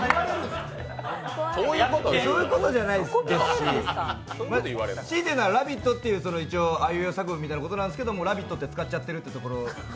そういうことじゃないですししいて言うなら「ラヴィット！」っていうあいうえお作文なんですが、「ラヴィット！」って使っちゃってるってところが。